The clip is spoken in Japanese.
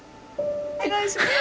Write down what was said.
お願いします。